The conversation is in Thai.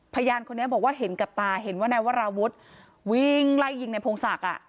พยานคนนี้บอกว่าเห็นกับตาเห็นว่านายวราวุฒิวิ่งไล่ยิงในพงศักดิ์